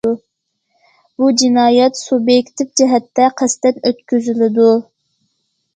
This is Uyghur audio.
بۇ جىنايەت سۇبيېكتىپ جەھەتتە قەستەن ئۆتكۈزۈلىدۇ.